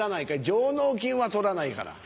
上納金は取らないから。